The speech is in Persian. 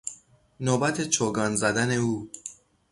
نوبت چوگان زدن او